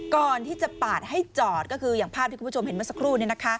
ก่อนที่จะปาดให้จอดก็คืออย่างภาพที่คุณผู้ชมเห็นเมื่อสักครู่